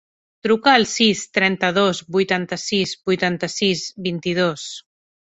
Truca al sis, trenta-dos, vuitanta-sis, vuitanta-sis, vint-i-dos.